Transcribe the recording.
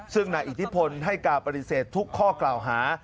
ซึ่งนายอิทธิพลให้การปฏิเสธทุกข้อกล่าวหา